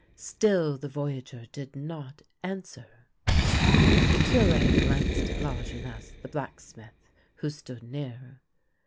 Still the voyageur did not answer. The Cure glanced at Lajeunesse the blacksmith, who stood near.